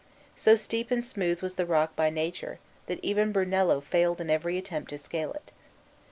So steep and smooth was the rock by nature, that even Brunello failed in every attempt to scale it.